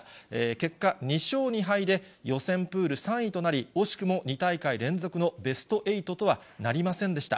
結果、２勝２敗で予選プール３位となり、惜しくも２大会連続のベスト８とはなりませんでした。